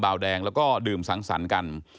วแดงแล้วก็ดื่มสังสรรค์กัน